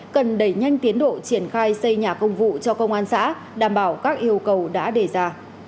cần đẩy nhanh tiến độ triển khai xây nhà công vụ cho công an xã đảm bảo các yêu cầu đã đề ra